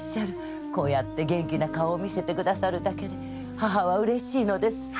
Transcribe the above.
こうやって元気な顔を見せてくださるだけで母は嬉しいのです。